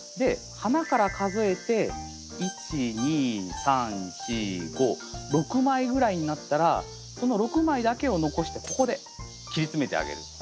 花から数えて１２３４５６枚ぐらいになったらその６枚だけを残してここで切り詰めてあげる。